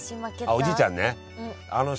あっおじいちゃんね。